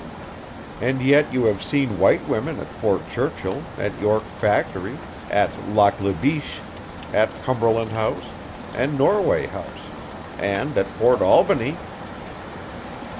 "And yet you have seen white women at Fort Churchill, at York Factory, at Lac la Biche, at Cumberland House, and Norway House, and at Fort Albany?"